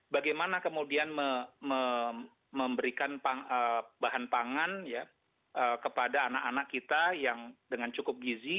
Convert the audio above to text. bagaimana kemudian memberikan bahan pangan kepada anak anak kita yang dengan cukup gizi